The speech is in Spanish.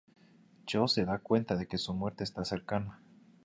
Joe se da cuenta de que su muerte está cercana.